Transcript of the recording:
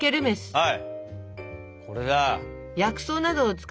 はい！